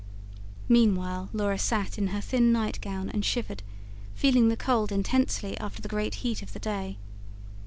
Meanwhile Laura sat in her thin nightgown and shivered, feeling the cold intensely after the great heat of the day.